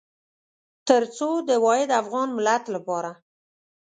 تر څو د واحد افغان ملت لپاره.